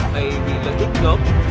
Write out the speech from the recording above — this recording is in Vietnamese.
hay vì lợi ích lắm